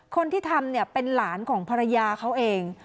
คนที่ทำเนี่ยเป็นหลานของภรรยาเขาเอง